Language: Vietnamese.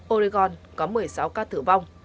oregon có một mươi sáu ca tử vong